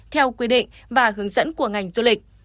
theo quy định và hướng dẫn của ngành du lịch